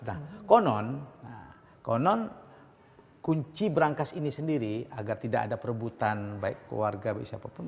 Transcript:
nah konon konon kunci berangkas ini sendiri agar tidak ada perebutan baik keluarga baik siapapun